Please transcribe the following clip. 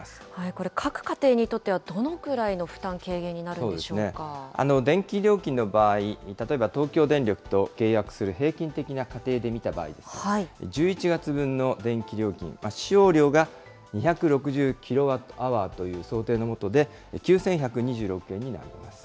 これ、各家庭にとってはどのくらいの負担軽減になるんでしょ電気料金の場合、例えば東京電力と契約する平均的な家庭で見た場合、１１月分の電気料金、使用量が２６０キロワットアワーという想定のもとで、９１２６円になります。